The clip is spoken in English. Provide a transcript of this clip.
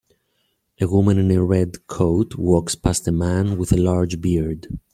A woman in a red coat walks past a man with a large beard.